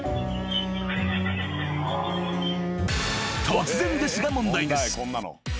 ［突然ですが問題です］